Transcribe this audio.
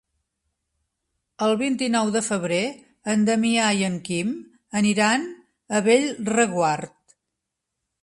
El vint-i-nou de febrer en Damià i en Quim aniran a Bellreguard.